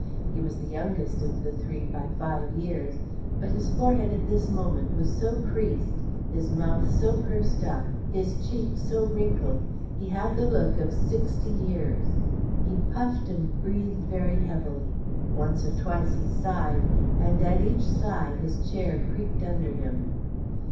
He was the youngest of the three by five years, but his forehead at this moment was so creased, his mouth so pursed up, his cheeks so wrinkled, he had the look of sixty years. He puffed and breathed very heavily; once or twice he sighed, and at each sigh his chair creaked under him.